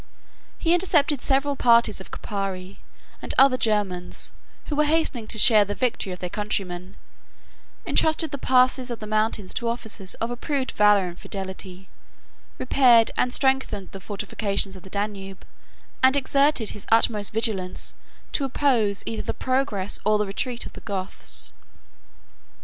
He intercepted several parties of Carpi, and other Germans, who were hastening to share the victory of their countrymen, 34 intrusted the passes of the mountains to officers of approved valor and fidelity, 35 repaired and strengthened the fortifications of the Danube, and exerted his utmost vigilance to oppose either the progress or the retreat of the Goths.